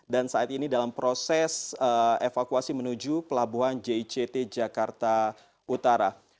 dan saat ini dalam proses evakuasi menuju pelabuhan jict jakarta utara